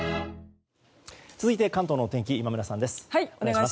続いて関東のお天気今村さんです。